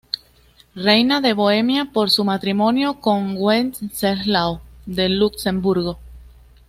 Reina de Bohemia por su matrimonio con Wenceslao de Luxemburgo.